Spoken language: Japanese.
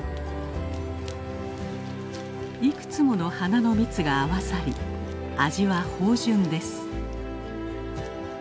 いくつもの花の蜜が合わさり味は豊潤です。